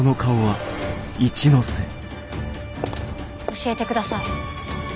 教えてください。